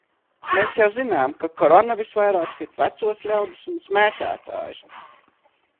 Mēs jau zinām, ka Korona visvairāk sit vecos ļaudis un smēķētājus.